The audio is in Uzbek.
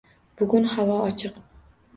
Bugun havo ochiq